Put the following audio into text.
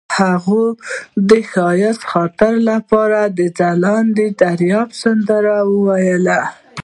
هغې د ښایسته خاطرو لپاره د ځلانده دریاب سندره ویله.